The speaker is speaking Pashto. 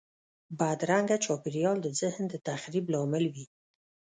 بدرنګه چاپېریال د ذهن د تخریب لامل وي